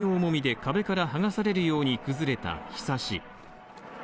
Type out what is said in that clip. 雪の重みで壁からはがされるように崩れたひさし。